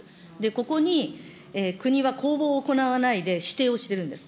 ここに国は公募を行わないで指定をしてるんです。